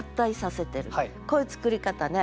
こういう作り方ね。